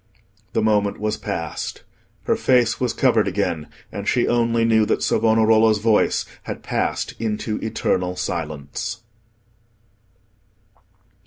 The moment was past. Her face was covered again, and she only knew that Savonarola's voice had passed into eternal silence.